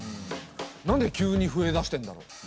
なんで急に増えだしてんだろう？